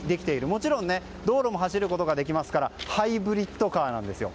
もちろん道路も走れますからハイブリッドカーなんですよ。